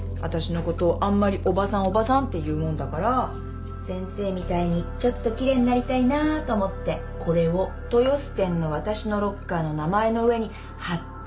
あんまり「おばさんおばさん」って言うもんだから先生みたいにちょっと奇麗になりたいなぁと思ってこれを豊洲店のわたしのロッカーの名前の上にはっておいたの。